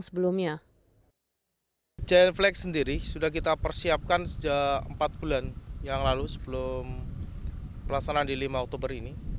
giant flex sendiri sudah kita persiapkan sejak empat bulan yang lalu sebelum pelaksanaan di lima oktober ini